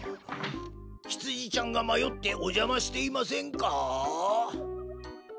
ひつじちゃんがまよっておじゃましていませんか？